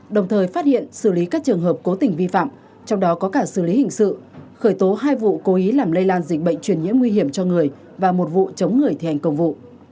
đồng thời phát hiện xử lý các trường hợp cố tình vi phạm trong đó có cả xử lý hình sự khởi tố hai vụ cố ý làm lây lan dịch bệnh truyền nhiễm nguy hiểm cho người và một vụ chống người thi hành công vụ